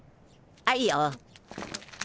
はいよ。